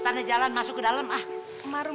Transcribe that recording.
tetap aja dia gak setuju si rumana sama si romi